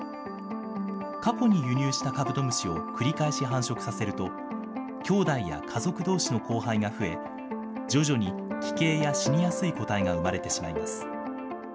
過去に輸入したカブトムシを繰り返し繁殖させると、きょうだいや家族どうしの交配が増え、徐々に奇形や死にやすい個体が生まれてしまいます。